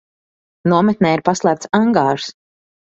Nometnē ir paslēpts angārs.